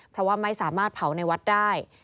เพราะว่าไม่สามารถเผาในวัดได้